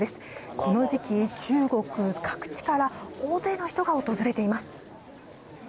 この時期、中国各地から大勢の人が訪れています。